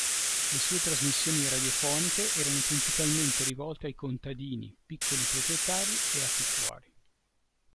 Le sue trasmissioni radiofoniche erano principalmente rivolte ai contadini: piccoli proprietari e affittuari.